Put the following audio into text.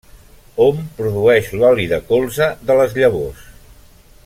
Hom produeix l'oli de colza de les llavors.